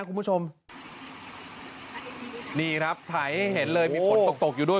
คุณผู้ชมนี่ครับถ่ายให้เห็นเลยมีฝนตกตกอยู่ด้วย